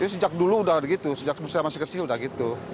sejak dulu udah begitu sejak saya masih kecil udah gitu